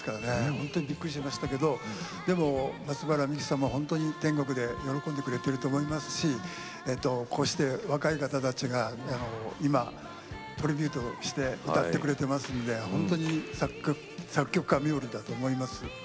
本当にびっくりしましたけれど松原みきさんも天国で喜んでくれていると思いますしこうして若い方たちが今トリビュートして歌ってくれていますので本当に作曲家冥利だと思います。